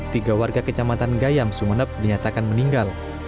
tiga warga kecamatan gayam sumeneb dinyatakan meninggal